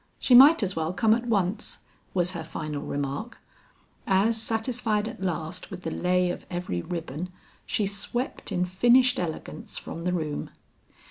"She might as well come at once," was her final remark, as satisfied at last with the lay of every ribbon she swept in finished elegance from the room.